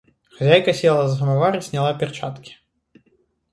Хозяйка села за самовар и сняла перчатки.